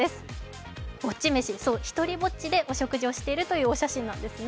ぼっち飯、ひとりぼっちでお食事をしているという写真なんですね。